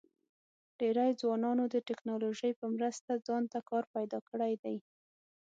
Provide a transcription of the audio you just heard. ډېری ځوانانو د ټیکنالوژۍ په مرسته ځان ته کار پیدا کړی دی.